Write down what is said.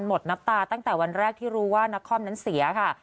หมดน้ำตาตั้งแต่วันแรกที่รู้ว่านักคอมนั้นเสียค่ะ